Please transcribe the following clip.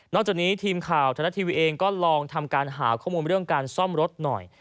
จากนี้ทีมข่าวธนาทีวีเองก็ลองทำการหาข้อมูลเรื่องการซ่อมรถหน่อย